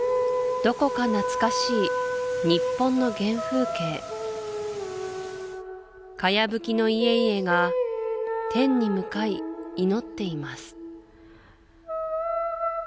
どこか懐かしい日本の原風景茅葺きの家々が天に向かい祈っています